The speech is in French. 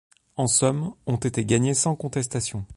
En somme, ont été gagnés sans contestation.